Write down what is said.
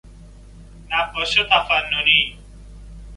نقاش تفننی